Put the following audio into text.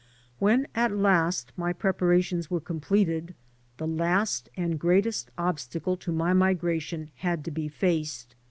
When at last my preparations were completed the last and greatest obstacle to my migration had to be faced.